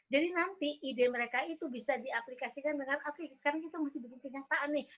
jadi nanti ide mereka itu bisa diaplikasikan dengan oke sekarang kita mesti bikin penyampaian nih